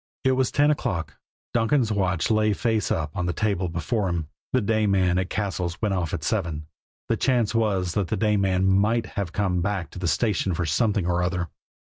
It was ten o'clock Donkin's watch lay face up on the table before him the day man at Cassil's went off at seven the chance was that the day man might have come back to the station for something or other!